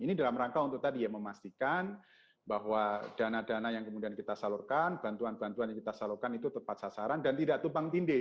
ini dalam rangka untuk tadi ya memastikan bahwa dana dana yang kemudian kita salurkan bantuan bantuan yang kita salurkan itu tepat sasaran dan tidak tumpang tindih